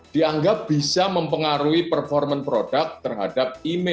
dianggap bisa mempengaruhi performa produk terhadap email